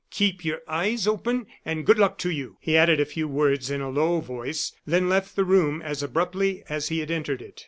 Keep your eyes open, and good luck to you!" He added a few words in a low voice, then left the room as abruptly as he had entered it.